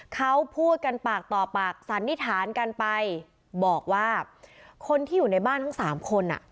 เขาพูดกันปากต่อปากสันนิษฐานกันไปบอกว่าคนที่อยู่ในบ้านทั้งสามคนอ่ะ